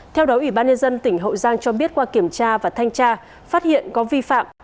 theo đó ủy ban nhân dân tỉnh hậu giang cho biết qua kiểm tra và thanh tra phát hiện có vi phạm